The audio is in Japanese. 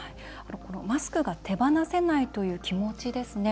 マスクが手放せないという気持ちですね